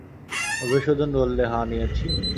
মধুসূদন বললে, হাঁ নিয়েছি।